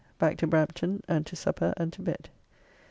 Back to Brampton, and to supper and to bed.